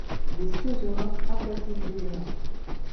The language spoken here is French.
Des suzerains aplatissent des ténors.